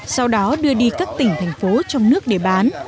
sau đó đưa đi các tỉnh thành phố trong nước để bán